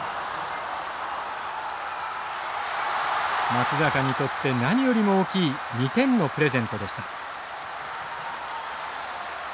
松坂にとって何よりも大きい２点のプレゼントでした。